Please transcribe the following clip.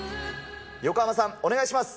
横浜さん、お願いします。